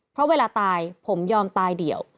เพราะเวลาตายผมยอมตายเดี่ยว